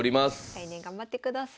来年頑張ってください。